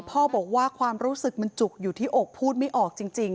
พ่อบอกว่าความรู้สึกมันจุกอยู่ที่อกพูดไม่ออกจริง